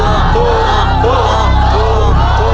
คูก